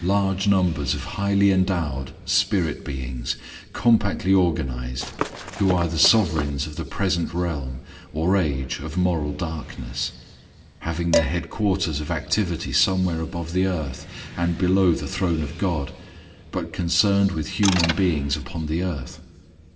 Large numbers of highly endowed spirit beings, compactly organized, who are the sovereigns of the present realm or age of moral darkness, having their headquarters of activity somewhere above the earth, and below the throne of God, but concerned with human beings upon the earth.